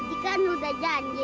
ini kan udah janji